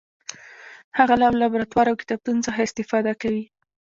هغه له لابراتوار او کتابتون څخه استفاده کوي.